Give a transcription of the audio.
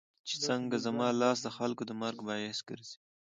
چې څنګه زما لاس دخلکو د مرګ باعث ګرځي